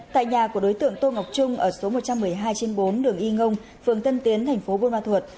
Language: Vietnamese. tại nhà của đối tượng tô ngọc trung ở số một trăm một mươi hai trên bốn đường y ngông phường tân tiến thành phố buôn ma thuột